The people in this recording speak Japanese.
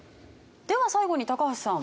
では最後に高橋さん。